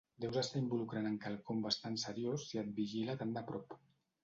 Deus estar involucrant en quelcom bastant seriós si et vigila tant de prop.